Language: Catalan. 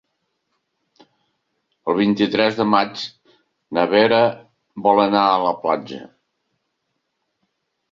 El vint-i-tres de maig na Vera vol anar a la platja.